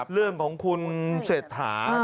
เรื่องของคุณเศรษฐา